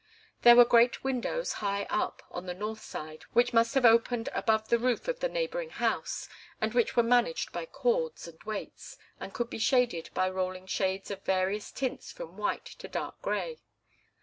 There were great windows, high up, on the north side, which must have opened above the roof of the neighbouring house, and which were managed by cords and weights, and could be shaded by rolling shades of various tints from white to dark grey.